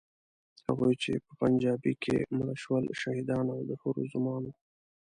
هغوی چې په پنجابۍ کې مړه شول، شهیدان او د حورو زومان وو.